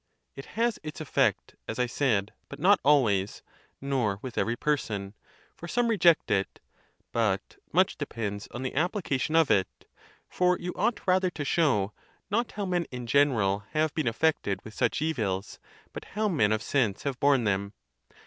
It has its effect, as I said, but not always, nor with every person, for some reject it; but much depends on the application of it; for you ought rather to show, not how men in gen eral have been affected with such evils, but how men of sense have borne them.